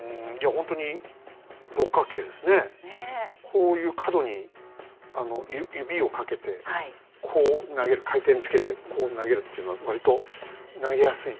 こういう角に指をかけてこう投げる回転つけてこう投げるっていうのは割と投げやすい。